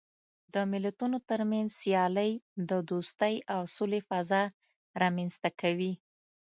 د ملتونو ترمنځ سیالۍ د دوستۍ او سولې فضا رامنځته کوي.